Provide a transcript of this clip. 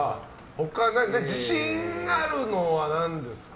他、自信あるのは何ですか？